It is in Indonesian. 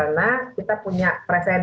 ataukah langsung kepencetan